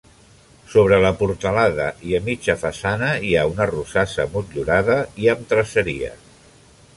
Sobre la portalada i a mitja façana hi ha una rosassa, motllurada i amb traceria.